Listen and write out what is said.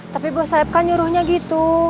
tapi buah saipkan nyuruhnya gitu